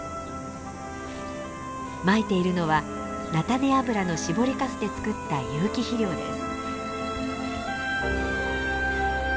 まいているのは菜種油の搾りかすで作った有機肥料です。